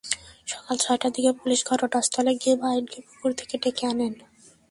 সকাল ছয়টার দিকে পুলিশ ঘটনাস্থলে গিয়ে মঈনকে পুকুর থেকে ডেকে আনেন।